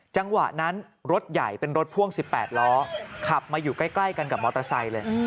จังหวะนั้นรถใหญ่เป็นรถพ่วง๑๘ล้อขับมาอยู่ใกล้กันกับมอเตอร์ไซค์เลย